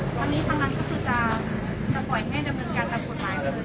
จะปล่อยให้เรื่องราวของครอบครัวสำหรับคนอื่นด้วย